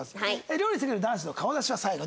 料理してくれる男子の顔写真は最後に。